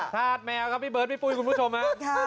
ธาตุแมวครับพี่เบิร์ดพี่ปุ้ยคุณผู้ชมฮะ